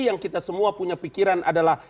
yang kita semua punya pikiran adalah